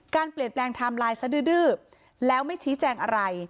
การเปลี่ยนแปลงไทม์ไลน์สะดื้อแล้วไม่ชี้แจงอะไร